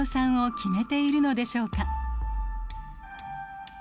決めているのでしょうか。